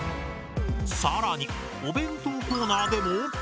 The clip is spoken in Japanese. さらにお弁当コーナーでも。